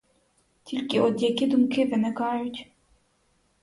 Тільки от які думки виникають.